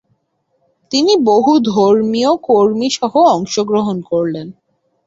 তিনি বহু ধর্মীয় কর্মীসহ অংশগ্রহণ করেন।